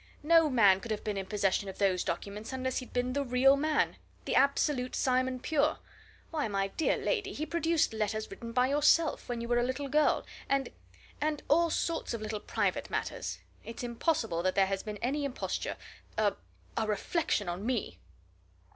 No man could have been in possession of those documents unless he'd been the real man the absolute Simon Pure! Why, my dear lady, he produced letters written by yourself, when you were a little girl and and all sorts of little private matters. It's impossible that there has been any imposture a a reflection on me!"